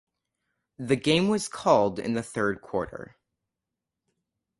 The game was called in the third quarter.